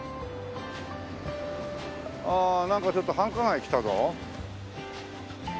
ああなんかちょっと繁華街来たぞ。